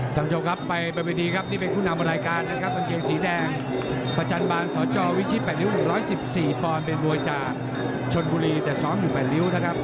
ท่านผู้ชมครับไปบนเวทีครับนี่เป็นผู้นำรายการนะครับกางเกงสีแดงประจันบาลสจวิชิต๘ริ้ว๑๑๔ปอนด์เป็นมวยจากชนบุรีแต่ซ้อมอยู่๘ริ้วนะครับ